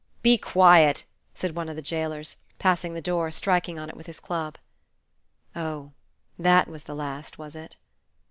"Be quiet!" said one of the jailers, passing the door, striking on it with his club. Oh, that was the last, was it?